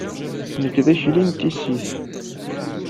Nekk d akli n tissit.